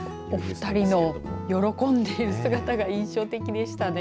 お二人の喜んでいる姿が印象的でしたね。